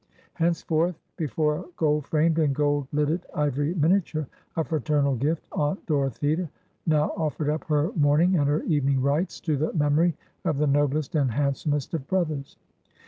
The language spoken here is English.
Henceforth, before a gold framed and gold lidded ivory miniature, a fraternal gift aunt Dorothea now offered up her morning and her evening rites, to the memory of the noblest and handsomest of brothers.